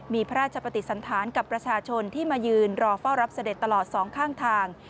มีพระราชปฏิสันธารกับประชาชนที่มายืนรอเฝ้ารับเสด็จตลอดสองข้างทาง